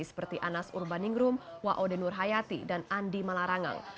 seperti anas urbaningrum wa'odenur hayati dan andi malarangang